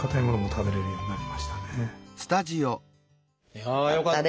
いやあよかった。